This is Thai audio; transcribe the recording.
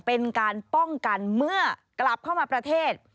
เป็นการป้องกันเมื่อกลับเข้ามาประเทศ